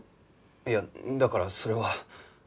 いやだからそれは。